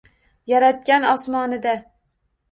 Yaratgan osmonida